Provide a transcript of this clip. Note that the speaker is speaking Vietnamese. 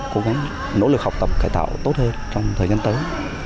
cố gắng nỗ lực học tập cải tạo tốt hơn trong thời gian tới